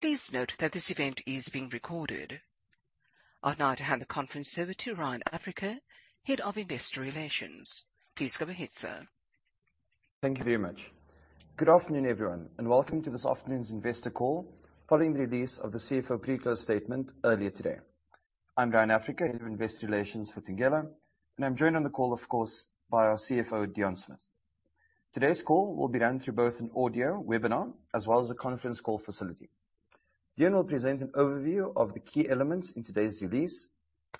Please note that this event is being recorded. I'd now hand the conference over to Ryan Africa, Head of Investor Relations. Please go ahead, sir. Thank you very much. Good afternoon, everyone, and welcome to this afternoon's investor call following the release of the CFO pre-close statement earlier today. I'm Ryan Africa, Head of Investor Relations for Thungela, and I'm joined on the call, of course, by our CFO, Deon Smith. Today's call will be run through both an audio webinar as well as a conference call facility. Deon will present an overview of the key elements in today's release,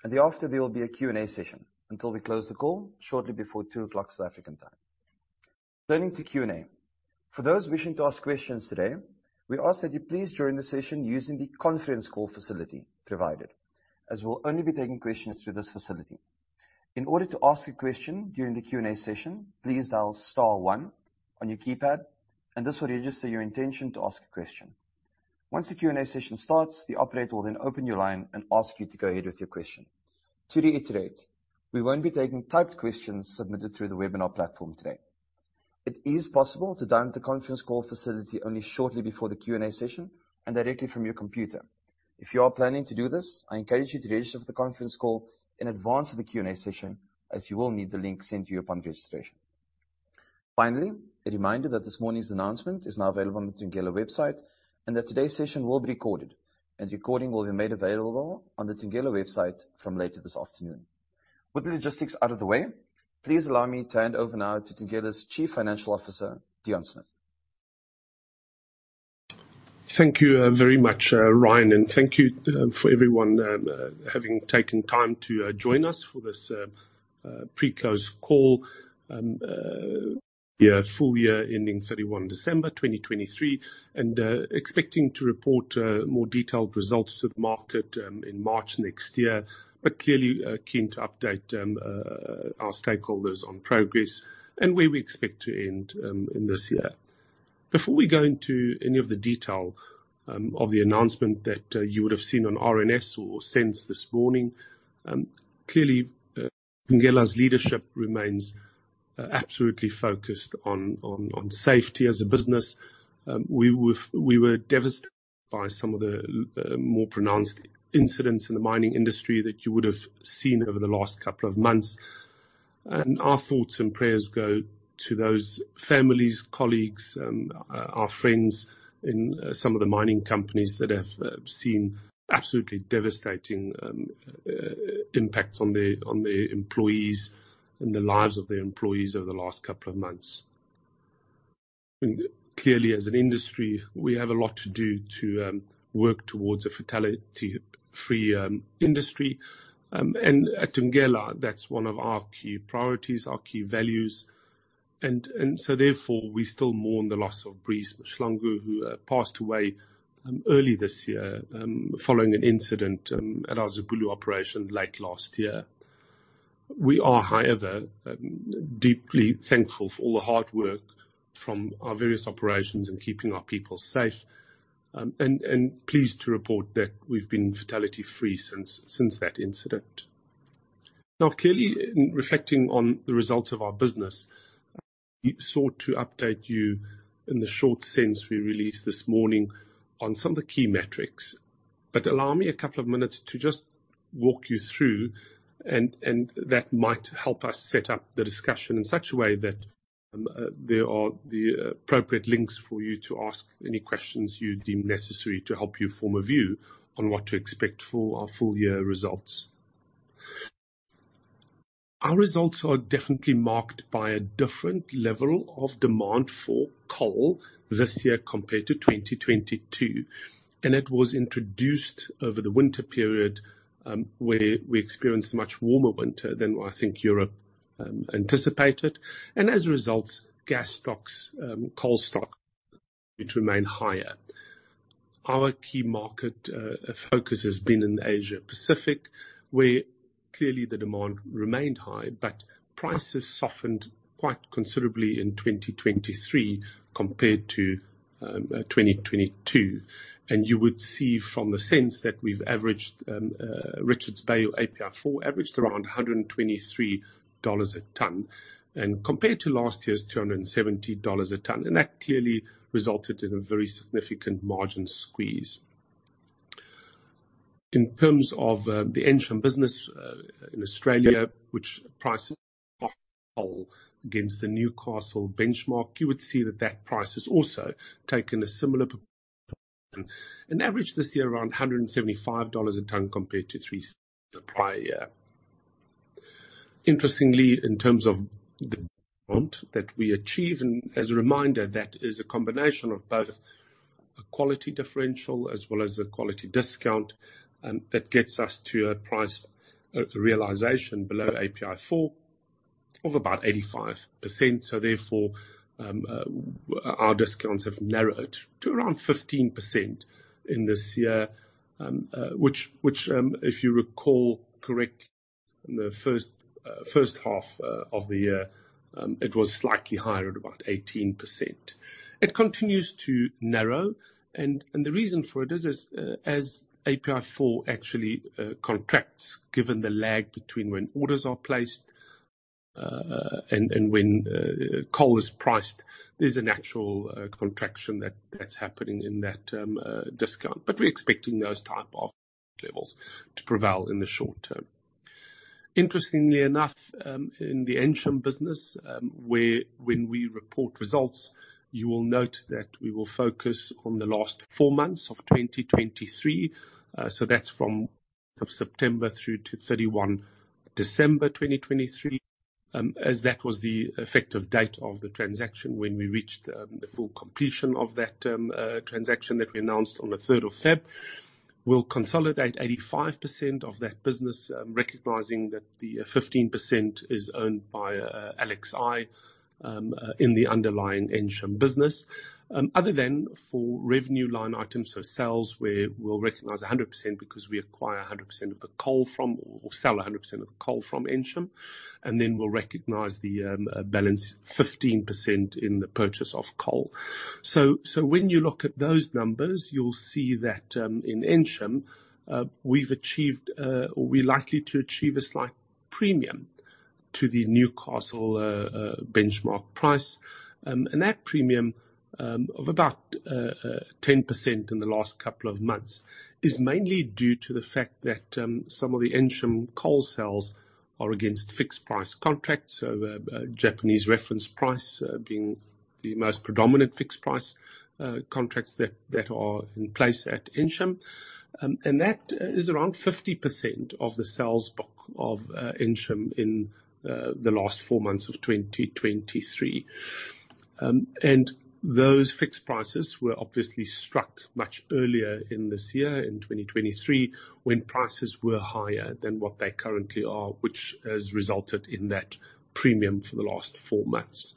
and thereafter there will be a Q&A session until we close the call shortly before two o'clock South African Time. Turning to Q&A. For those wishing to ask questions today, we ask that you please join the session using the conference call facility provided, as we'll only be taking questions through this facility. In order to ask a question during the Q&A session, please dial star one on your keypad and this will register your intention to ask a question. Once the Q&A session starts, the operator will then open your line and ask you to go ahead with your question. To reiterate, we won't be taking typed questions submitted through the webinar platform today. It is possible to dial into the conference call facility only shortly before the Q&A session and directly from your computer. If you are planning to do this, I encourage you to register for the conference call in advance of the Q&A session, as you will need the link sent to you upon registration. Finally, a reminder that this morning's announcement is now available on the Thungela website and that today's session will be recorded, and the recording will be made available on the Thungela website from later this afternoon. With the logistics out of the way, please allow me to hand over now to Thungela's Chief Financial Officer, Deon Smith. Thank you, very much, Ryan, and thank you for everyone having taken time to join us for this pre-close call. Yeah, full year ending 31 December 2023, and expecting to report more detailed results to the market in March next year. But clearly, keen to update our stakeholders on progress and where we expect to end in this year. Before we go into any of the detail of the announcement that you would have seen on RNS or SENS this morning, clearly, Thungela's leadership remains absolutely focused on safety as a business. We were devastated by some of the more pronounced incidents in the mining industry that you would have seen over the last couple of months. And our thoughts and prayers go to those families, colleagues, our friends in some of the mining companies that have seen absolutely devastating impacts on their employees and the lives of their employees over the last couple of months. Clearly, as an industry, we have a lot to do to work towards a fatality-free industry. And at Thungela, that's one of our key priorities, our key values. And so therefore, we still mourn the loss of Breeze Mahlangu, who passed away early this year following an incident at our Zibulo operation late last year. We are, however, deeply thankful for all the hard work from our various operations in keeping our people safe, and pleased to report that we've been fatality-free since that incident. Now, clearly, in reflecting on the results of our business, we sought to update you in the short SENS we released this morning on some of the key metrics. But allow me a couple of minutes to just walk you through, and that might help us set up the discussion in such a way that there are the appropriate links for you to ask any questions you deem necessary to help you form a view on what to expect for our full year results. Our results are definitely marked by a different level of demand for coal this year compared to 2022, and it was introduced over the winter period, where we experienced a much warmer winter than I think Europe anticipated. And as a result, gas stocks, coal stocks, which remain higher. Our key market focus has been in Asia Pacific, where clearly the demand remained high, but prices softened quite considerably in 2023 compared to 2022. You would see from the SENS that we've averaged Richards Bay API4 around $123 a ton, and compared to last year's $270 a ton, and that clearly resulted in a very significant margin squeeze. In terms of the Ensham Business in Australia, which prices against the Newcastle benchmark, you would see that that price has also taken a similar and averaged this year around $175 a ton compared to $300 in the prior year. Interestingly, in terms of the amount that we achieve, and as a reminder, that is a combination of both a quality differential as well as a quality discount, that gets us to a price realization below API4 of about 85%. So therefore, our discounts have narrowed to around 15% in this year. Which, if you recall correctly, in the first half of the year, it was slightly higher at about 18%. It continues to narrow, and the reason for this is, as API4 actually contracts, given the lag between when orders are placed and when coal is priced, there's a natural contraction that's happening in that term discount. But we're expecting those type of levels to prevail in the short term. Interestingly enough, in the Ensham Business, where when we report results, you will note that we will focus on the last four months of 2023. So that's from September 2 to 31 December 2023, as that was the effective date of the transaction when we reached the full completion of that transaction that we announced on the 3rd of February. We'll consolidate 85% of that business, recognizing that the 15% is owned by LXI in the underlying Ensham Business. Other than for revenue line items or sales, where we'll recognize 100% because we acquire 100% of the coal from Ensham, or sell 100% of the coal from Ensham, and then we'll recognize the balance 15% in the purchase of coal. So when you look at those numbers, you'll see that, in Ensham, we've achieved, or we're likely to achieve a slight premium to the Newcastle benchmark price. And that premium of about 10% in the last couple of months is mainly due to the fact that some of the Ensham coal sales are against fixed price contracts. So the Japan Reference Price being the most predominant fixed price contracts that are in place at Ensham. And that is around 50% of the sales book of Ensham in the last four months of 2023. And those fixed prices were obviously struck much earlier in this year, in 2023, when prices were higher than what they currently are, which has resulted in that premium for the last four months.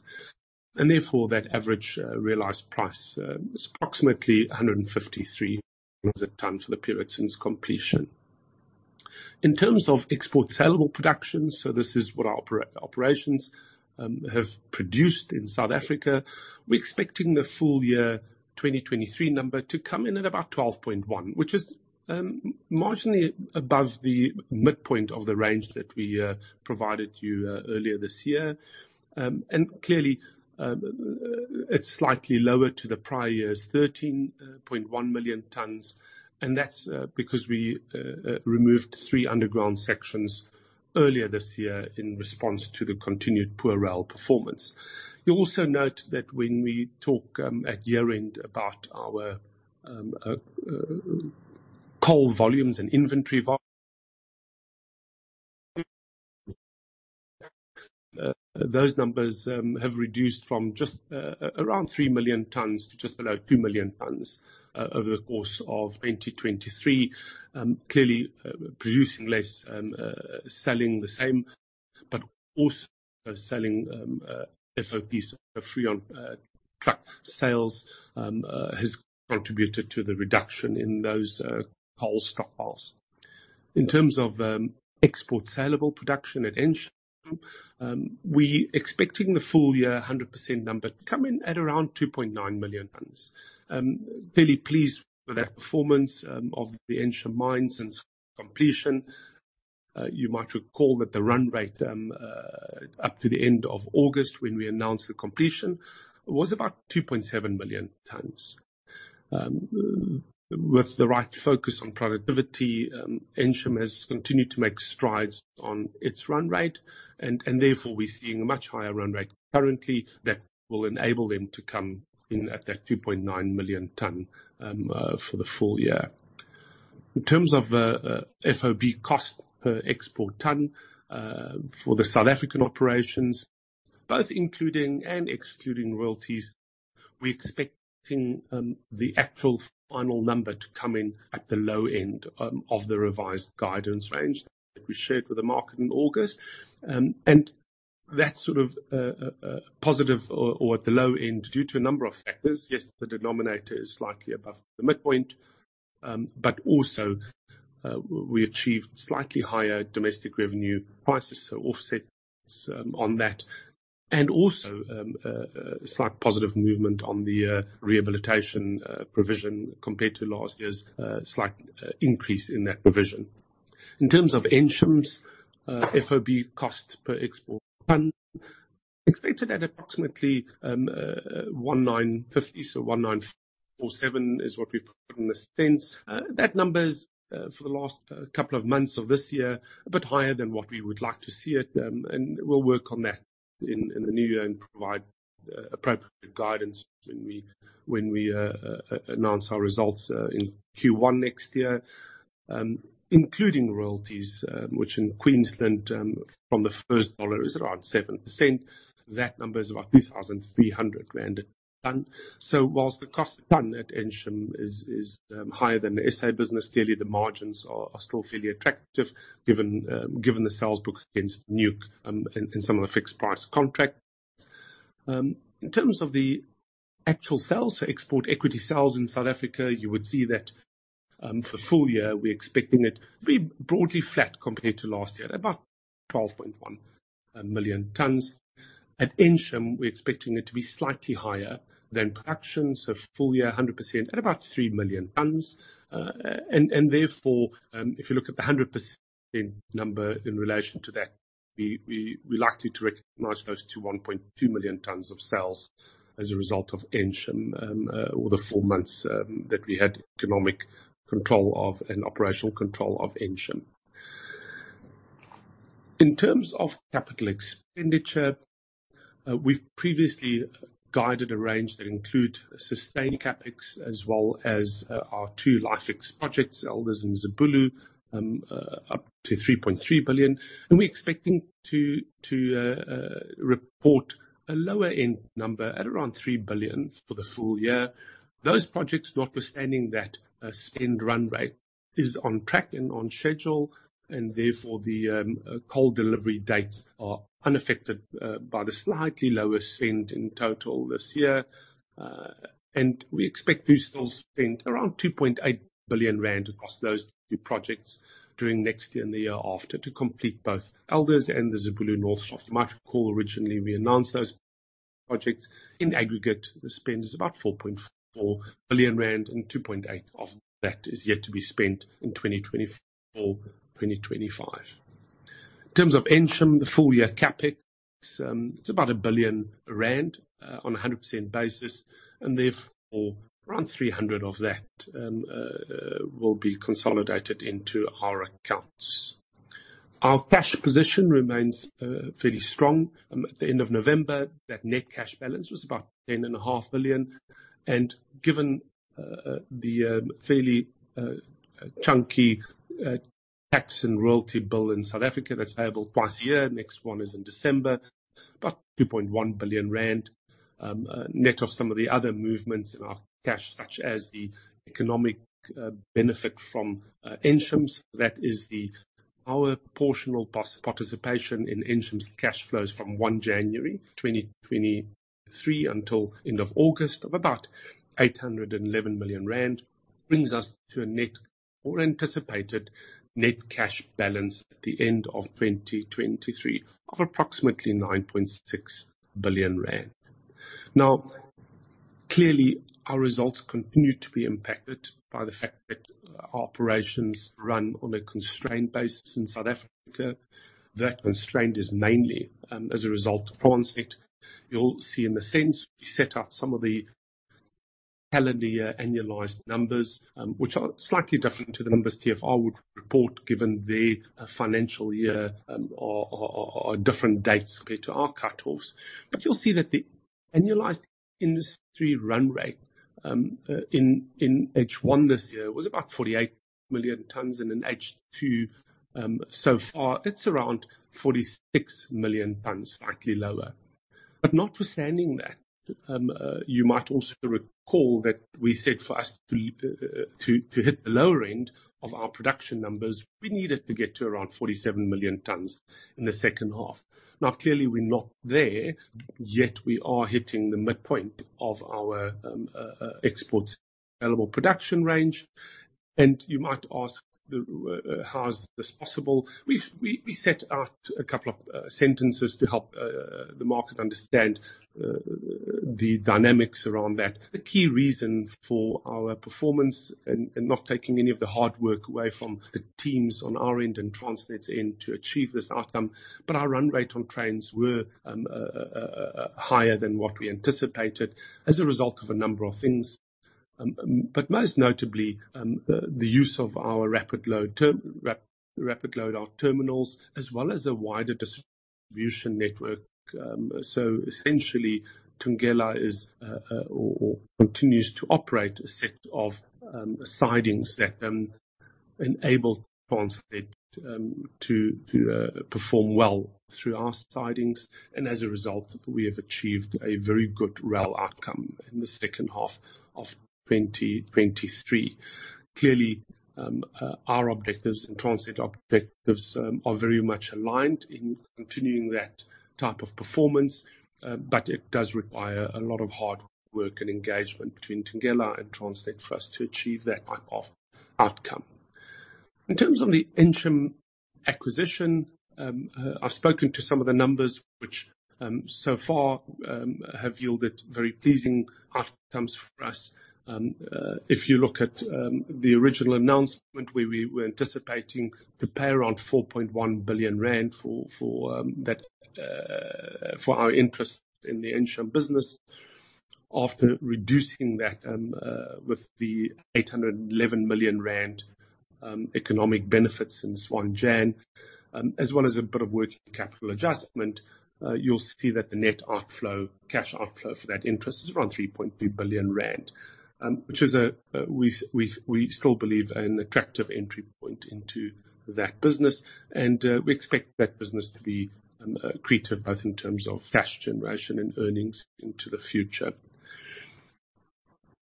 Therefore, that average realized price is approximately $153/ton for the period since completion. In terms of exportable production, so this is what our operations have produced in South Africa. We're expecting the full year 2023 number to come in at about 12.1 million tons, which is marginally above the midpoint of the range that we provided you earlier this year. And clearly, it's slightly lower than the prior year's 13.1 million tons, and that's because we removed three underground sections earlier this year in response to the continued poor rail performance. You'll also note that when we talk at year-end about our coal volumes and inventory vol, those numbers have reduced from just around 3 million tons to just below 2 million tons over the course of 2023. Clearly, producing less, selling the same, but also selling FOB cost on truck sales has contributed to the reduction in those coal stockpiles. In terms of export saleable production at Ensham, we expecting the full year 100% number to come in at around 2.9 million tons. Fairly pleased with that performance of the Ensham Mine since completion. You might recall that the run rate up to the end of August, when we announced the completion, was about 2.7 million tons. With the right focus on productivity, Ensham has continued to make strides on its run rate, and therefore, we're seeing a much higher run rate currently that will enable them to come in at that 2.9 million ton for the full year. In terms of FOB cost per export ton for the South African operations, both including and excluding royalties, we're expecting the actual final number to come in at the low end of the revised guidance range that we shared with the market in August. And that's sort of a positive or at the low end, due to a number of factors. Yes, the denominator is slightly above the midpoint, but also, we achieved slightly higher domestic revenue prices, so offsets, on that, and also, a slight positive movement on the, rehabilitation, provision compared to last year's, slight, increase in that provision. In terms of Ensham's, FOB cost per export ton, expected at approximately, 1,950. So 1,947 is what we've put in the SENS. That number is, for the last, couple of months of this year, a bit higher than what we would like to see it, and we'll work on that in, the new year and provide, appropriate guidance when we, announce our results, in Q1 next year. Including royalties, which in Queensland, from the first dollar is around 7%. That number is about 2,300 rand a ton. So while the cost a ton at Ensham is higher than the SA business, clearly the margins are still fairly attractive, given the sales book against Newcastle, and some of the fixed price contract. In terms of the actual sales for export equity sales in South Africa, you would see that, for full year, we're expecting it to be broadly flat compared to last year, about 12.1 million tons. At Ensham, we're expecting it to be slightly higher than production, so full year, 100% at about 3 million tons. And therefore, if you look at the 100% number in relation to that-... We're likely to recognize those two 1.2 million tons of sales as a result of Ensham over the four months that we had economic control of and operational control of Ensham. In terms of capital expenditure, we've previously guided a range that include sustained CapEx as well as our two LifeX projects, Elders and Zibulo up to 3.3 billion, and we're expecting to report a lower-end number at around 3 billion for the full year. Those projects, notwithstanding that spend run rate, is on track and on schedule, and therefore the coal delivery dates are unaffected by the slightly lower spend in total this year. We expect to still spend around 2.8 billion rand across those two projects during next year and the year after, to complete both Elders and the Zibulo North Shaft. You might recall, originally, we announced those projects. In aggregate, the spend is about 4.4 billion rand, and 2.8 billion of that is yet to be spent in 2024, 2025. In terms of Ensham, the full year CapEx, it's about 1 billion rand, on a 100% basis, and therefore around 300 million of that will be consolidated into our accounts. Our cash position remains fairly strong. At the end of November, that net cash balance was about 10.5 billion, and given the fairly chunky tax and royalty bill in South Africa that's payable twice a year, next one is in December, about 2.1 billion rand. Net of some of the other movements in our cash, such as the economic benefit from Enyobeni, that is our proportional participation in Enyobeni's cash flows from 1 January 2023 until end of August of about 811 million rand, brings us to a net or anticipated net cash balance at the end of 2023 of approximately 9.6 billion rand. Now, clearly, our results continue to be impacted by the fact that our operations run on a constrained basis in South Africa. That constraint is mainly as a result of Transnet. You'll see in the sense, we set out some of the calendar year annualized numbers, which are slightly different to the numbers TFR would report given their financial year, or different dates compared to our cutoffs. But you'll see that the annualized industry run rate in H1 this year was about 48 million tons, and in H2 so far it's around 46 million tons, slightly lower. But notwithstanding that, you might also recall that we said for us to hit the lower end of our production numbers, we needed to get to around 47 million tons in the second half. Now, clearly, we're not there, yet we are hitting the midpoint of our exports available production range. And you might ask, "How is this possible?" We've set out a couple of sentences to help the market understand the dynamics around that. The key reason for our performance and not taking any of the hard work away from the teams on our end and Transnet's end to achieve this outcome, but our run rate on trains were higher than what we anticipated as a result of a number of things. But most notably, the use of our rapid load out terminals, as well as the wider distribution network. So essentially, Thungela continues to operate a set of sidings that enable Transnet to perform well through our sidings, and as a result, we have achieved a very good rail outcome in the second half of 2023. Clearly, our objectives and Transnet objectives are very much aligned in continuing that type of performance, but it does require a lot of hard work and engagement between Thungela and Transnet for us to achieve that type of outcome. In terms of the Ensham acquisition, I've spoken to some of the numbers which so far have yielded very pleasing outcomes for us. If you look at the original announcement, where we were anticipating to pay around 4.1 billion rand for our interest in the Ensham Business. After reducing that with the 811 million rand economic benefits since 1 January, as well as a bit of working capital adjustment, you'll see that the net outflow, cash outflow for that interest is around 3.2 billion rand, which is, we still believe an attractive entry point into that business, and we expect that business to be accretive, both in terms of cash generation and earnings into the future.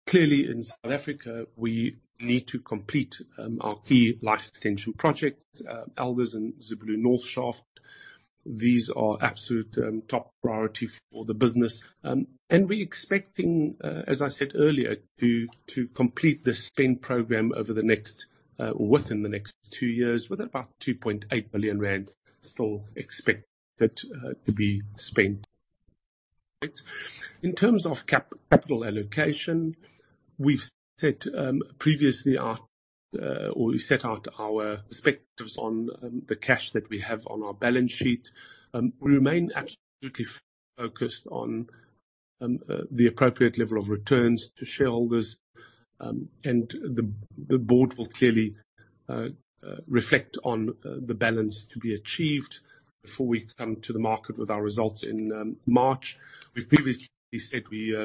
Clearly, in South Africa, we need to complete our key life extension projects, Elders and Zibulo North Shaft. These are absolute top priority for the business, and we're expecting, as I said earlier, to complete the spend program over the next, or within the next two years, with about 2.8 billion rand still expected to be spent. In terms of capital allocation, we've set out our perspectives on the cash that we have on our balance sheet. We remain absolutely focused on the appropriate level of returns to shareholders. And the board will clearly reflect on the balance to be achieved before we come to the market with our results in March. We've previously said we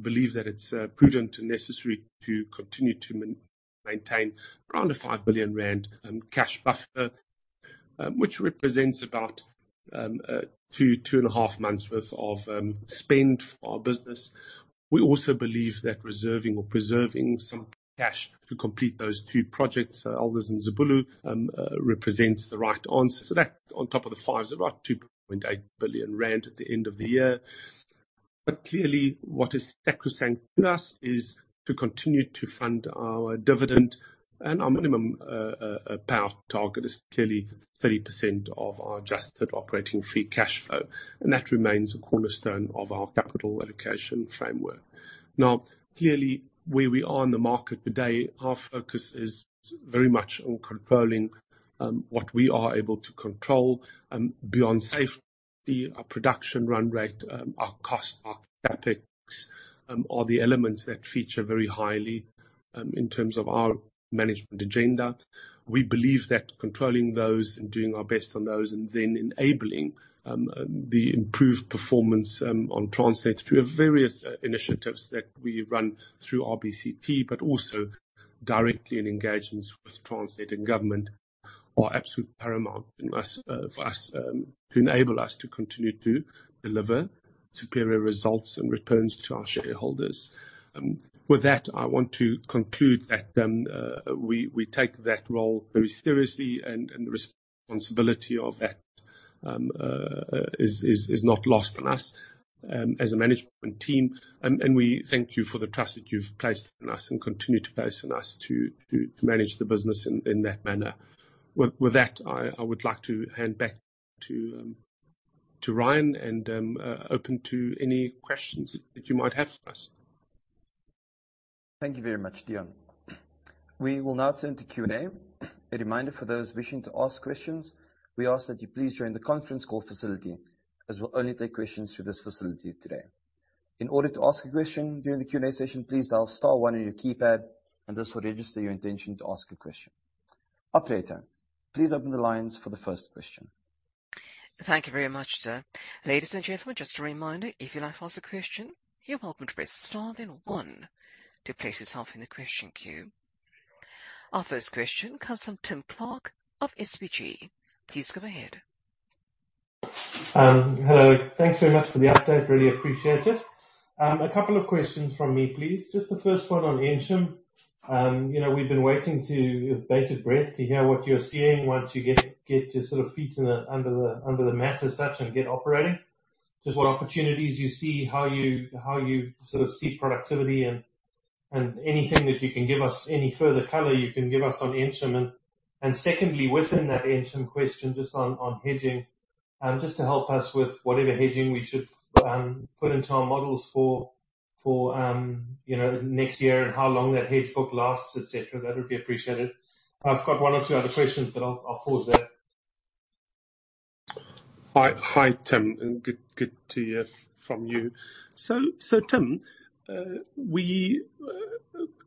believe that it's prudent and necessary to continue to maintain around 5 billion rand cash buffer, which represents about two and a half months worth of spend for our business. We also believe that reserving or preserving some cash to complete those two projects, Elders and Zibulo, represents the right answer. So that on top of the five, is about 2.8 billion rand at the end of the year. But clearly, what is sacrosanct to us, is to continue to fund our dividend, and our minimum payout target is clearly 30% of our adjusted operating free cash flow, and that remains a cornerstone of our capital allocation framework. Now, clearly, where we are in the market today, our focus is very much on controlling what we are able to control, beyond safety, our production run rate, our cost, our CapEx, are the elements that feature very highly in terms of our management agenda. We believe that controlling those and doing our best on those, and then enabling the improved performance on Transnet through various initiatives that we run through RBCT, but also directly and engagements with Transnet and government, are absolute paramount in us, for us, to enable us to continue to deliver superior results and returns to our shareholders. With that, I want to conclude that we take that role very seriously, and the responsibility of that is not lost on us as a management team. And we thank you for the trust that you've placed in us, and continue to place in us to manage the business in that manner. With that, I would like to hand back to Ryan, and open to any questions that you might have for us. Thank you very much, Deon. We will now turn to Q&A. A reminder for those wishing to ask questions, we ask that you please join the conference call facility, as we'll only take questions through this facility today. In order to ask a question during the Q&A session, please dial star one on your keypad, and this will register your intention to ask a question. Operator, please open the lines for the first question. Thank you very much, sir. Ladies and gentlemen, just a reminder, if you'd like to ask a question, you're welcome to press star, then one to place yourself in the question queue. Our first question comes from Tim Clark of SBG. Please go ahead. Hello. Thanks very much for the update. Really appreciate it. A couple of questions from me, please. Just the first one on Ensham. You know, we've been waiting to, with bated breath, to hear what you're seeing once you get your sort of feet in the under the mat as such, and get operating. Just what opportunities you see, how you sort of see productivity, and anything that you can give us, any further color you can give us on Ensham. And secondly, within that Ensham question, just on hedging, just to help us with whatever hedging we should put into our models for you know, next year, and how long that hedge book lasts, et cetera. That would be appreciated. I've got one or two other questions, but I'll pause there. Hi. Hi, Tim, and good, good to hear from you. So, Tim,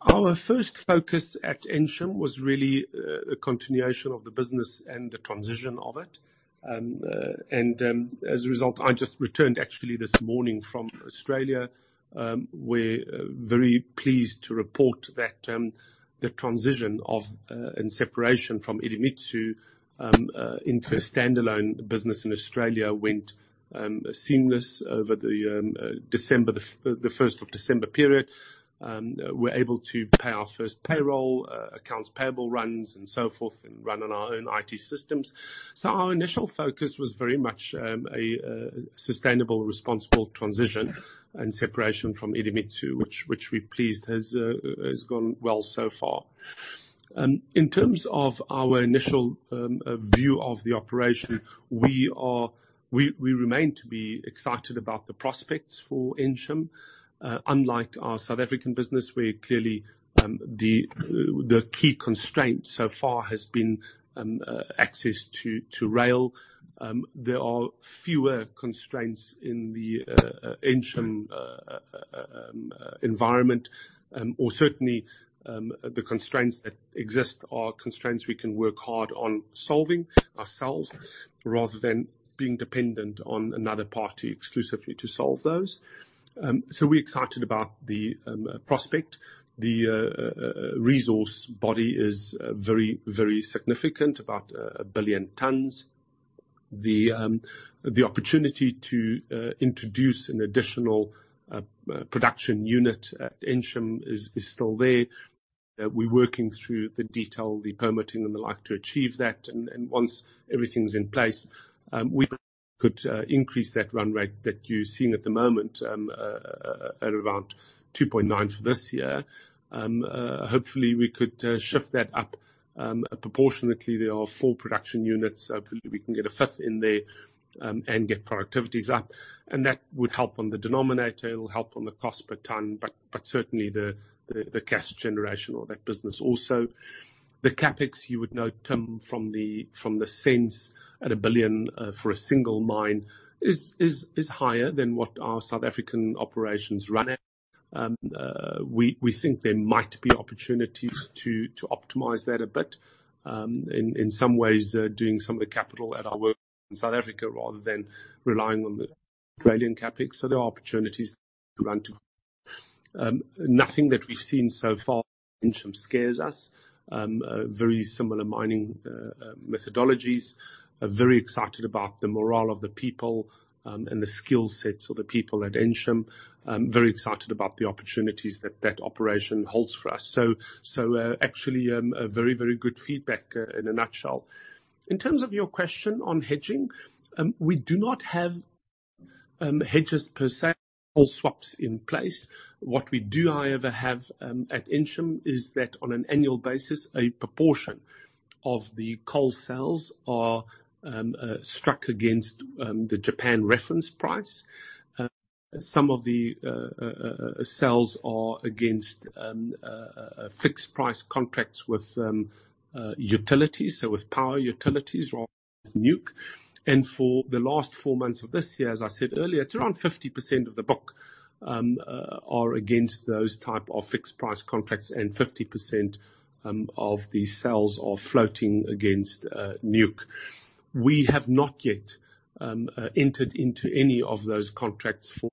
our first focus at Ensham was really a continuation of the business and the transition of it. And, as a result, I just returned actually this morning from Australia. We're very pleased to report that the transition of and separation from Idemitsu into a standalone business in Australia went seamless over the December, the first of December period. We're able to pay our first payroll, accounts payable runs, and so forth, and run on our own IT systems. So our initial focus was very much a sustainable, responsible transition and separation from Idemitsu, which we're pleased has gone well so far. In terms of our initial view of the operation, we remain to be excited about the prospects for Ensham. Unlike our South African business, where clearly the key constraint so far has been access to rail. There are fewer constraints in the Ensham environment. Or certainly, the constraints that exist are constraints we can work hard on solving ourselves, rather than being dependent on another party exclusively to solve those. So we're excited about the prospect. The resource body is very, very significant, about 1 billion tons. The opportunity to introduce an additional production unit at Ensham is still there. We're working through the detail, the permitting and the like to achieve that, and once everything's in place, we could increase that run rate that you're seeing at the moment, at around 2.9 for this year. Hopefully we could shift that up. Proportionately, there are four production units. Hopefully, we can get a fifth in there, and get productivities up, and that would help on the denominator. It'll help on the cost per ton, but certainly the cash generation of that business also. The CapEx, you would know, Tim, from the SENS at 1 billion, for a single mine, is higher than what our South African operations run at. We think there might be opportunities to optimize that a bit, in some ways, doing some of the capital at our work in South Africa rather than relying on the Australian CapEx. So there are opportunities to run to. Nothing that we've seen so far in Ensham scares us. Very similar mining methodologies. Very excited about the morale of the people, and the skill sets of the people at Ensham. Very excited about the opportunities that that operation holds for us. So, actually, a very, very good feedback, in a nutshell. In terms of your question on hedging, we do not have hedges per se, or swaps in place. What we do, however, have at Ensham is that on an annual basis, a proportion of the coal sales are struck against the Japan Reference Price. Some of the sales are against fixed price contracts with utilities, so with power utilities rather than Newcastle. And for the last four months of this year, as I said earlier, it's around 50% of the book are against those type of fixed price contracts and 50% of the sales are floating against Newcastle. We have not yet entered into any of those contracts for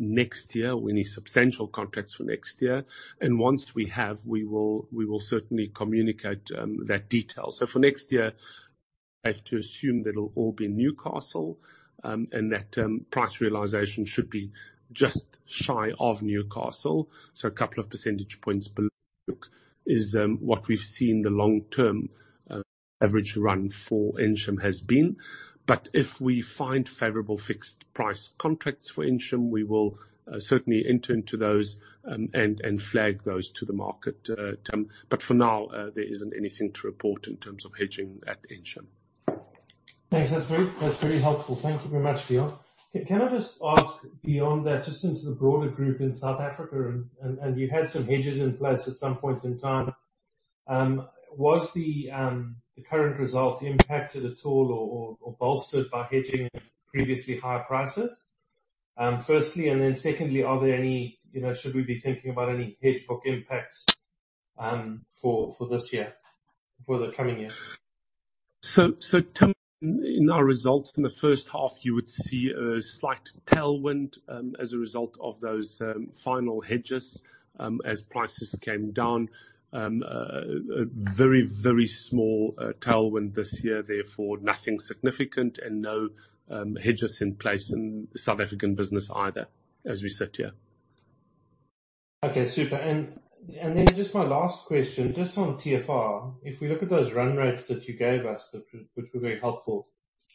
next year. We need substantial contracts for next year, and once we have, we will certainly communicate that detail. So for next year, I have to assume that it'll all be Newcastle, and that price realization should be just shy of Newcastle. So a couple of percentage points below is what we've seen the long-term average run for Ensham has been. But if we find favorable fixed price contracts for Ensham, we will certainly enter into those, and, and flag those to the market, Tim. But for now, there isn't anything to report in terms of hedging at Ensham. Thanks. That's very, that's very helpful. Thank you very much, Deon. Can I just ask beyond that, just into the broader group in South Africa, and you had some hedges in place at some point in time. Was the current result impacted at all or bolstered by hedging at previously higher prices? Firstly, and then secondly, are there any, you know, should we be thinking about any hedge book impacts for this year, for the coming year? So, Tim, in our results in the first half, you would see a slight tailwind, as a result of those final hedges, as prices came down. A very, very small tailwind this year, therefore, nothing significant and no hedges in place in the South African business either, as we sit here. Okay, super. And, and then just my last question, just on TFR. If we look at those run rates that you gave us, that, which were very helpful,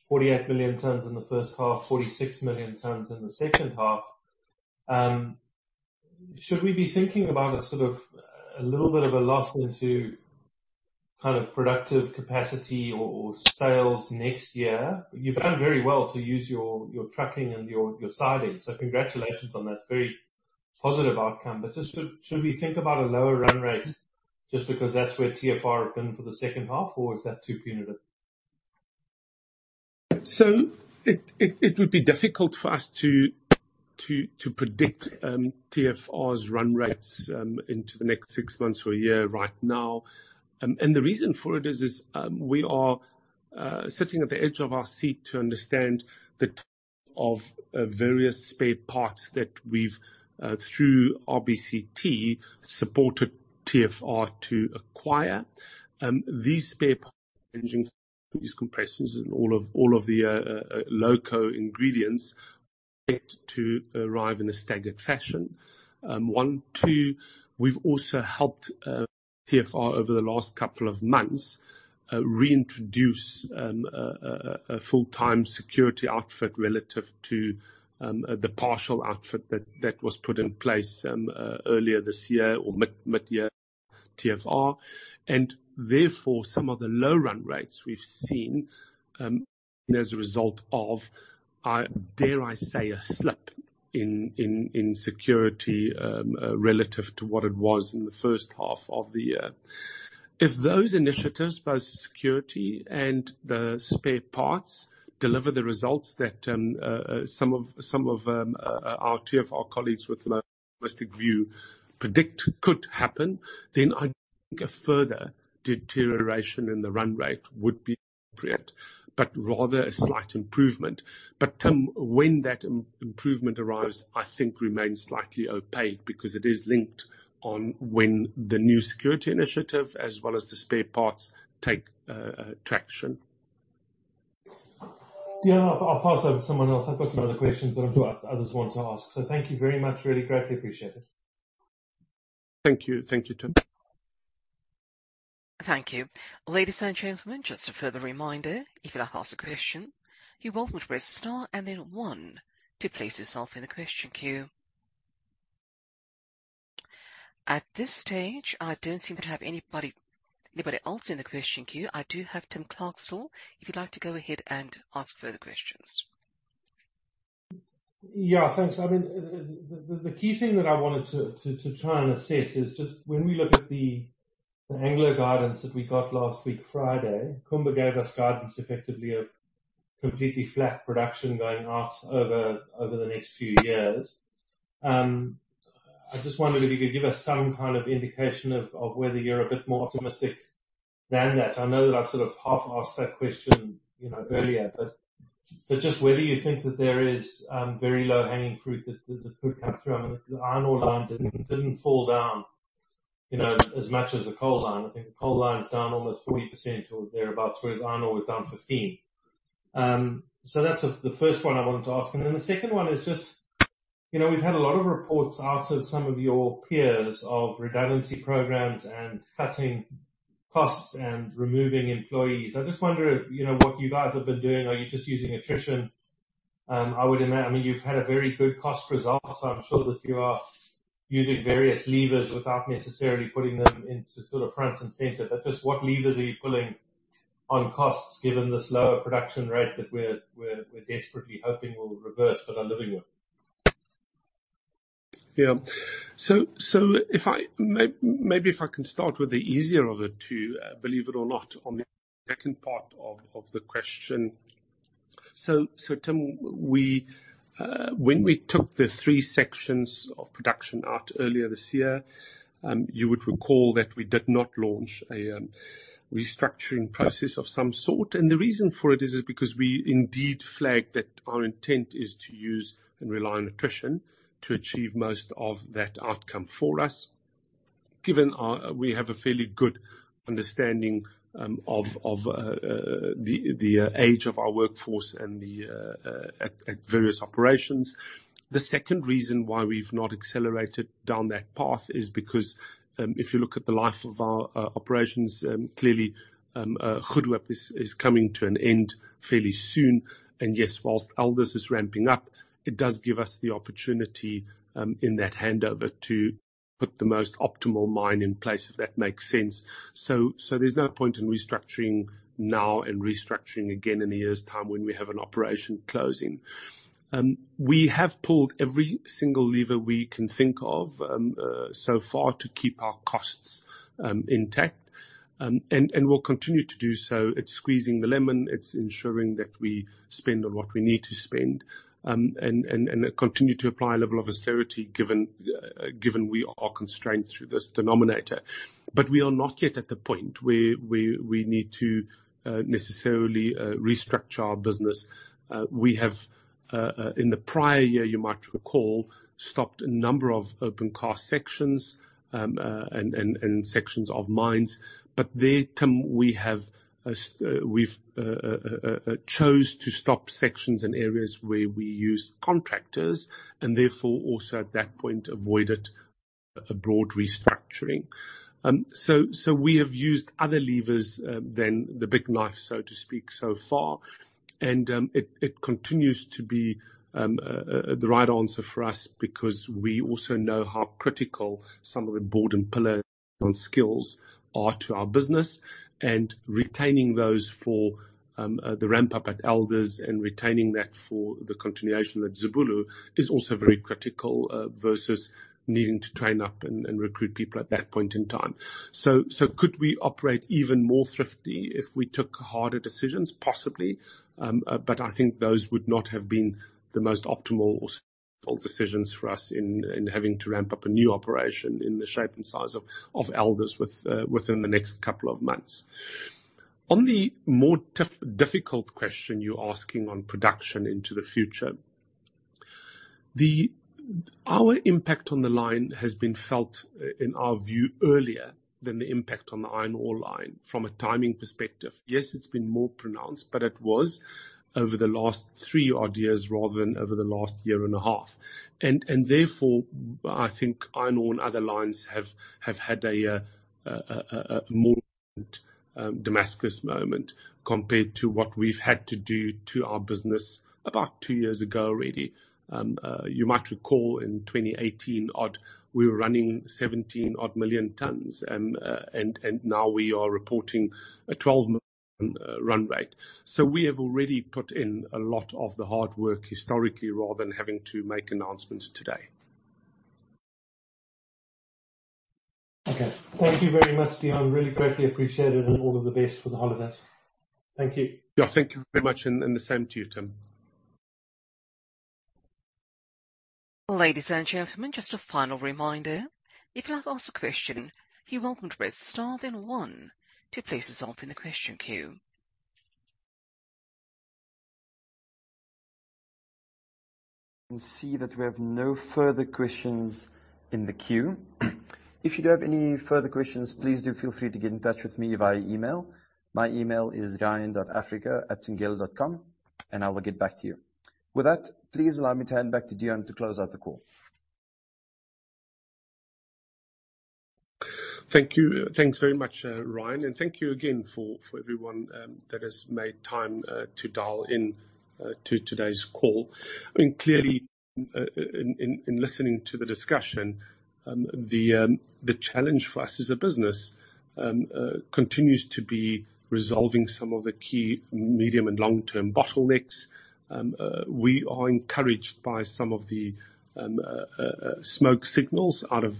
48 million tons in the first half, 46 million tons in the second half. Should we be thinking about a, sort of, a little bit of a loss into kind of productive capacity or, or sales next year? You've done very well to use your, your trucking and your, your sidings, so congratulations on that. Very positive outcome. But just should, should we think about a lower run rate just because that's where TFR have been for the second half, or is that too punitive? So it would be difficult for us to predict TFR's run rates into the next six months or a year right now. And the reason for it is we are sitting at the edge of our seat to understand various spare parts that we've through RBCT supported TFR to acquire. These spare parts, engines, these compressors and all of the loco ingredients get to arrive in a staggered fashion. One, two, we've also helped TFR over the last couple of months reintroduce a full-time security outfit relative to the partial outfit that was put in place earlier this year or mid-year TFR. And therefore, some of the low run rates we've seen as a result of, I dare I say, a slip in security relative to what it was in the first half of the year. If those initiatives, both security and the spare parts, deliver the results that some of our TFR colleagues with the most realistic view predict could happen, then I think a further deterioration in the run rate would be appropriate, but rather a slight improvement. But, Tim, when that improvement arrives, I think remains slightly opaque because it is linked on when the new security initiative as well as the spare parts take traction.... Yeah, I'll pass on to someone else. I've got some other questions, but I'm sure others want to ask. So thank you very much. Really greatly appreciate it. Thank you. Thank you, Tim. Thank you. Ladies and gentlemen, just a further reminder, if you'd like to ask a question, you're welcome to press star and then one to place yourself in the question queue. At this stage, I don't seem to have anybody, anybody else in the question queue. I do have Tim Clark still, if you'd like to go ahead and ask further questions. Yeah, thanks. I mean, the key thing that I wanted to try and assess is just when we look at the Anglo guidance that we got last week, Friday, Kumba gave us guidance effectively of completely flat production going out over the next few years. I just wondered if you could give us some kind of indication of whether you're a bit more optimistic than that. I know that I've sort of half-asked that question, you know, earlier, but just whether you think that there is very low-hanging fruit that could come through. I mean, the iron ore line didn't fall down, you know, as much as the coal line. I think the coal line is down almost 40% or thereabout, whereas iron ore is down 15%. So that's the first one I wanted to ask you. And then the second one is just, you know, we've had a lot of reports out of some of your peers of redundancy programs and cutting costs and removing employees. I just wonder, you know, what you guys have been doing. Are you just using attrition? I would imagine, I mean, you've had a very good cost result, so I'm sure that you are using various levers without necessarily putting them into sort of front and center. But just what levers are you pulling on costs, given this lower production rate that we're desperately hoping will reverse, but are living with? Yeah. So if I maybe if I can start with the easier of the two, believe it or not, on the second part of the question. Tim, when we took the three sections of production out earlier this year, you would recall that we did not launch a restructuring process of some sort. The reason for it is because we indeed flagged that our intent is to use and rely on attrition to achieve most of that outcome for us. Given we have a fairly good understanding of the age of our workforce and the age at various operations. The second reason why we've not accelerated down that path is because, if you look at the life of our operations, clearly, Goedehoop is coming to an end fairly soon. And yes, while Elders is ramping up, it does give us the opportunity, in that handover to put the most optimal mine in place, if that makes sense. So there's no point in restructuring now and restructuring again in a year's time when we have an operation closing. We have pulled every single lever we can think of, so far to keep our costs intact. And we'll continue to do so. It's squeezing the lemon, it's ensuring that we spend on what we need to spend, and continue to apply a level of austerity, given we are constrained through this denominator. But we are not yet at the point where we need to necessarily restructure our business. We have, in the prior year, you might recall, stopped a number of open cast sections, and sections of mines. But there, Tim, we have, we've chose to stop sections in areas where we use contractors, and therefore, also at that point, avoided a broad restructuring. So we have used other levers than the big knife, so to speak, so far. It continues to be the right answer for us, because we also know how critical some of the bord and pillar skills are to our business. Retaining those for the ramp up at Elders and retaining that for the continuation at Zibulo is also very critical versus needing to train up and recruit people at that point in time. So, could we operate even more thrifty if we took harder decisions? Possibly, but I think those would not have been the most optimal decisions for us in having to ramp up a new operation in the shape and size of Elders within the next couple of months. On the more difficult question you're asking on production into the future. Our impact on the line has been felt, in our view, earlier than the impact on the iron ore line from a timing perspective. Yes, it's been more pronounced, but it was over the last three odd years rather than over the last year and a half. Therefore, I think iron ore and other lines have had a more Damascus moment compared to what we've had to do to our business about 2 years ago already. You might recall in 2018 odd, we were running 17 odd million tons, and now we are reporting a 12 million run rate. So we have already put in a lot of the hard work historically, rather than having to make announcements today. Okay. Thank you very much, Deon. Really greatly appreciate it, and all of the best for the holidays. Thank you. Yeah, thank you very much, and the same to you, Tim. Ladies and gentlemen, just a final reminder, if you have asked a question, you're welcome to press star then one, to place yourself in the question queue.... I can see that we have no further questions in the queue. If you do have any further questions, please do feel free to get in touch with me via email. My email is ryan.africa@thungela.com, and I will get back to you. With that, please allow me to hand back to Deon to close out the call. Thank you. Thanks very much, Ryan, and thank you again for everyone that has made time to dial in to today's call. I mean, clearly, in listening to the discussion, the challenge for us as a business continues to be resolving some of the key medium and long-term bottlenecks. We are encouraged by some of the smoke signals out of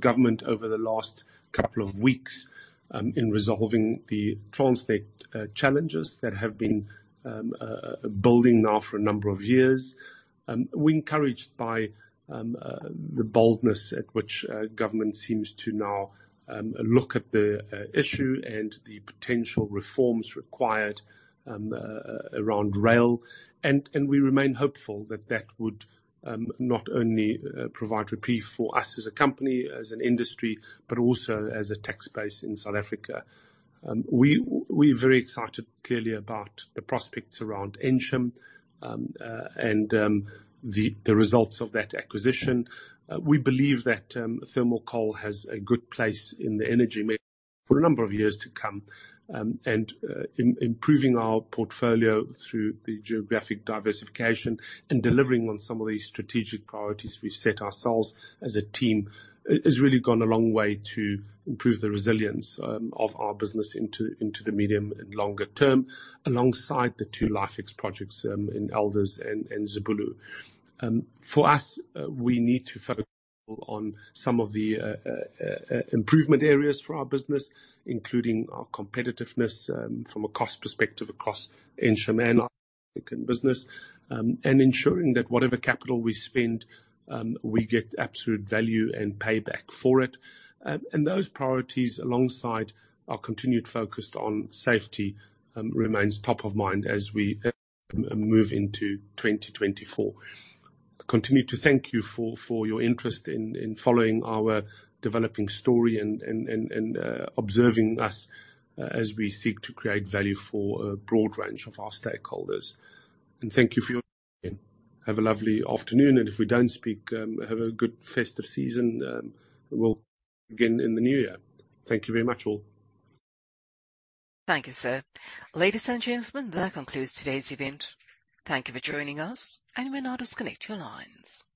government over the last couple of weeks in resolving the Transnet challenges that have been building now for a number of years. We're encouraged by the boldness at which government seems to now look at the issue and the potential reforms required around rail. We remain hopeful that that would not only provide relief for us as a company, as an industry, but also as a tax base in South Africa. We're very excited, clearly, about the prospects around Ensham and the results of that acquisition. We believe that thermal coal has a good place in the energy mix for a number of years to come. Improving our portfolio through the geographic diversification and delivering on some of these strategic priorities we've set ourselves as a team has really gone a long way to improve the resilience of our business into the medium and longer term, alongside the two LifeX projects in Elders and Zibulo. For us, we need to focus on some of the improvement areas for our business, including our competitiveness from a cost perspective across Ensham and our African business. And ensuring that whatever capital we spend, we get absolute value and payback for it. And those priorities, alongside our continued focus on safety, remains top of mind as we move into 2024. I continue to thank you for your interest in following our developing story and observing us as we seek to create value for a broad range of our stakeholders. And thank you for your... Have a lovely afternoon, and if we don't speak, have a good festive season, we'll again in the new year. Thank you very much, all. Thank you, sir. Ladies and gentlemen, that concludes today's event. Thank you for joining us, and you may now disconnect your lines.